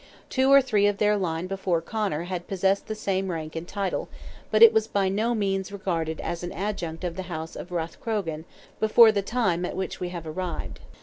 Two or three of their line before Conor had possessed the same rank and title, but it was by no means regarded as an adjunct of the house of Rathcrogan, before the time at which we have arrived.